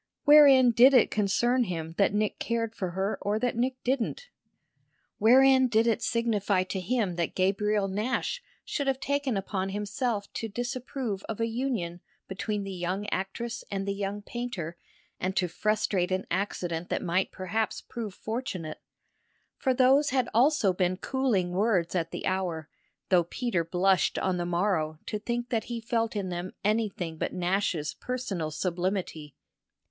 Wherein did it concern him that Nick cared for her or that Nick didn't? Wherein did it signify to him that Gabriel Nash should have taken upon himself to disapprove of a union between the young actress and the young painter and to frustrate an accident that might perhaps prove fortunate? For those had also been cooling words at the hour, though Peter blushed on the morrow to think that he felt in them anything but Nash's personal sublimity.